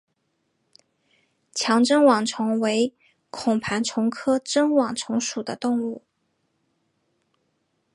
强针网虫为孔盘虫科针网虫属的动物。